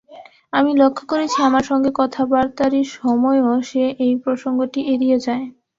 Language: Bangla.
আমি লক্ষ করেছি, আমার সঙ্গে কথাবার্তারি সময়ও সে এই প্রসঙ্গটি এড়িয়ে যায়।